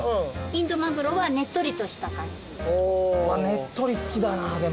ねっとり好きだな。